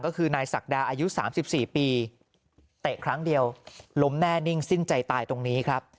ก็คือนายศักดาอายุ๓๔ปีเตะครั้งเดียวล้มแน่นิ่งสิ้นใจตายตรงนี้ครับ